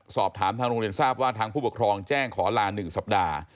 สอบถามทางโรงเรียนทราบว่าทางผู้ปกครองแจ้งขอลา๑สัปดาห์